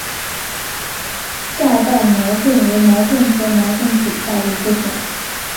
窄瓣毛茛为毛茛科毛茛属下的一个种。